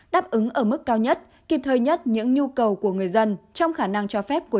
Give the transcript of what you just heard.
đáp ứng ở mức cao nhất kịp thời nhất những nhu cầu của người dân trong khả năng cho phép của